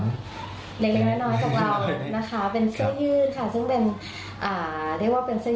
เป็นหน้าลองส่งความสมมติ